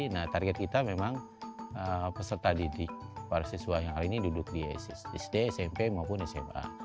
nah target kita memang peserta didik para siswa yang hari ini duduk di sd smp maupun sma